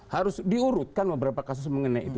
harus diurutkan beberapa kasus mengenai itu